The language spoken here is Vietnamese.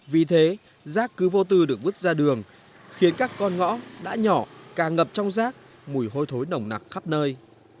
vì thế rác cứ vô tư được vứt ra đường khiến các con ngõ đã nhỏ càng ngập trong rác mùi hôi thối nồng nặc khắp nơi